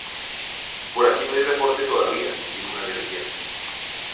Por aquí no hay reporte todavía"" -dijo una guerrillera-.